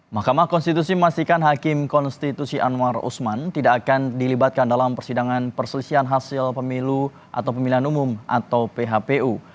mahkamah konstitusi memastikan hakim konstitusi anwar usman tidak akan dilibatkan dalam persidangan perselisihan hasil pemilu atau pemilihan umum atau phpu